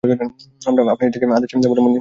আমরা আপনার ইচ্ছাকে আদেশ বলে মনে করি।